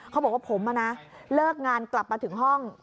เขาบอกว่าผมเลิกงานกลับมาถึงห้อง